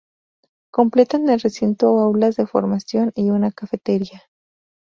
Completan el recinto aulas de formación y una cafetería.